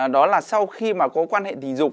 đó là sau khi mà có quan hệ tình dục